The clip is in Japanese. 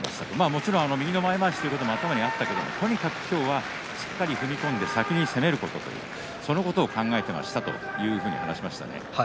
もちろん右の前まわしも頭にあったけれどもとにかく今日はしっかり踏み込んで先に攻めることとそのことを考えていましたというふうに話しました。